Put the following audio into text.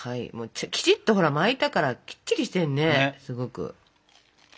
きちっとほら巻いたからきっちりしてるねすごく。